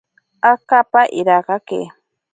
Akapa irakake.